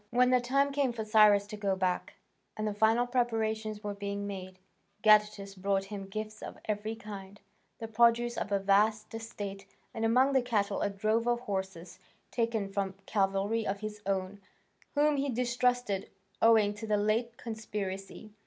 When the time came for Cyrus to go back, and the final preparations were being made, Gadatas brought him gifts of every kind, the produce of a vast estate, and among the cattle a drove of horses, taken from cavalry of his own, whom he distrusted owing to the late conspiracy.